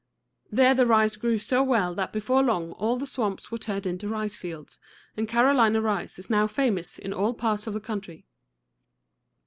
There the rice grew so well that before long all the swamps were turned into rice fields, and Carolina rice is now famous in all parts of the country.